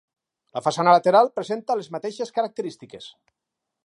La façana lateral presenta les mateixes característiques.